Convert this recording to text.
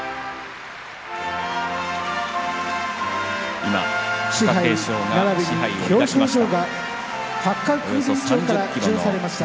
今、貴景勝が賜盃を手にしました。